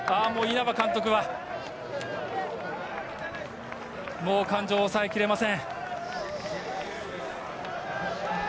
稲葉監督は感情を抑えきれません。